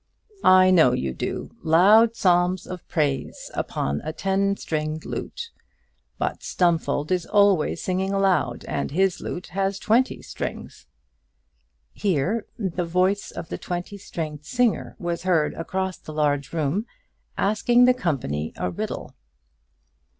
"I know you do, loud psalms of praise upon a ten stringed lute. But Stumfold is always singing aloud, and his lute has twenty strings." Here the voice of the twenty stringed singer was heard across the large room asking the company a riddle.